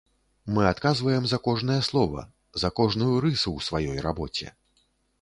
Мы адказваем за кожнае слова, за кожную рысу ў сваёй рабоце.